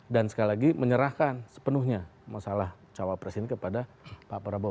dan sekali lagi menyerahkan sepenuhnya masalah cawapres ini kepada pak prabowo